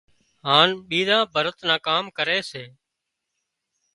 هانَ ٻيزان ڀرت نان ڪام ڪري سي